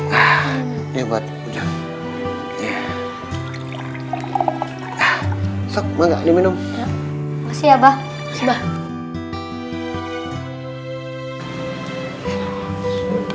hai ah hebat udah ya sok magali minum siapa sudah